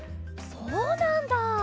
そうなんだ！